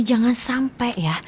jangan sampe ya